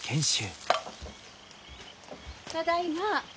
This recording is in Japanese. ただいま。